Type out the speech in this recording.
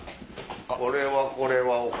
これはこれは女将。